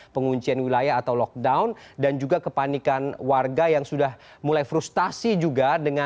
penguncian wilayah atau lokasi di ibu kota beijing